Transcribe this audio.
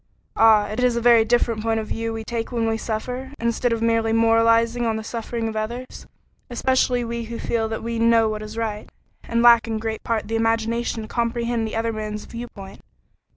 Ah! it is a very different point of view we take when we suffer, instead of merely moralizing on the suffering of others; especially we who feel that we know what is right, and lack in great part the imagination to comprehend the other man's viewpoint.